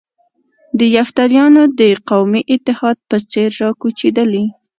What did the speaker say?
د یفتلیانو د قومي اتحاد په څېر را کوچېدلي.